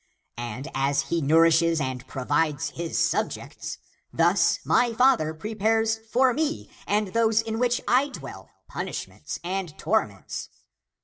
And as he nourishes and provides his subjects, thus he (my father) prepares for me and those in which I dwell punishments and torments.